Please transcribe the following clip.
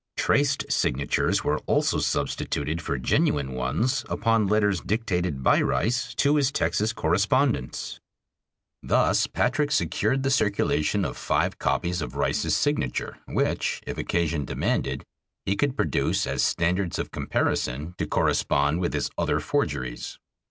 Traced signatures were also substituted for genuine ones upon letters dictated by Rice to his Texas correspondents. Thus Patrick secured the circulation of five copies of Rice's signature which, if occasion demanded, he could produce as standards of comparison to correspond with his other forgeries.